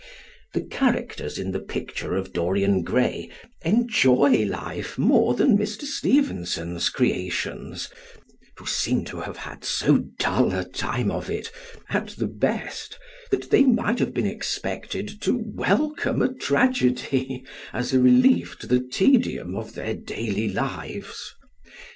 The characters in "The Picture of Dorian Gray," enjoy life more than Mr. Stevenson's creations, who seem to have had so dull a time of it at the best that they might have been expected to welcome a tragedy, as a relief to the tedium of their daily lives.